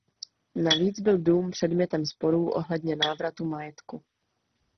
Navíc byl dům předmětem sporů ohledně návratu majetku.